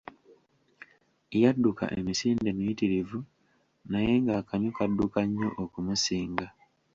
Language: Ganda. Yadduka emisinde miyitirivu naye ng'akamyu kadduka nnyo okumusinga.